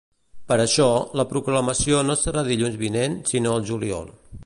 Per això, la proclamació no serà dilluns vinent sinó al juliol.